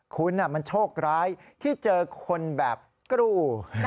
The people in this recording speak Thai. คุณมันโชคร้ายที่เจอคนแบบกรู